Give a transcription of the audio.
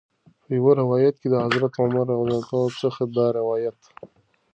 په یو روایت کې د حضرت عمر رض څخه دا روایت